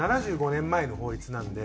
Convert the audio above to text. ７５年前の法律なんで。